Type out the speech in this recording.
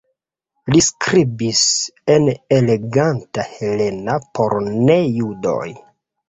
Li skribis en eleganta helena por ne-judoj.